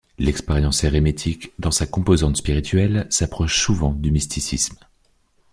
L'expérience érémitique, dans sa composante spirituelle, s'approche souvent du mysticisme.